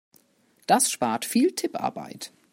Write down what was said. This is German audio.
Das spart viel Tipparbeit.